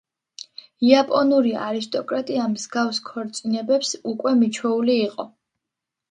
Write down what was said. იაპონური არისტოკრატია მსგავს ქორწინებებს უკვე მიჩვეული იყო.